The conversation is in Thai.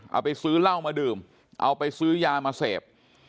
เอาไปซื้อเหล้ามาดื่มเอาไปซื้อยามาเสพ